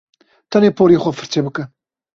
Tenê porê xwe firçe bike.